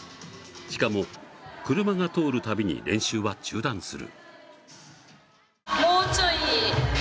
しかも車が通るたびに練習は中断する。